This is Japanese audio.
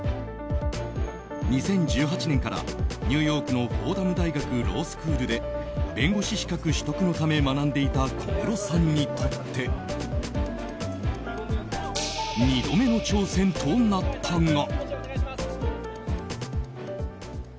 ２０１８年から、ニューヨークのフォーダム大学ロースクールで弁護士資格取得のため学んでいた小室さんにとって２度目の挑戦となったが。